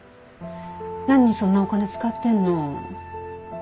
何にそんなお金使ってるの？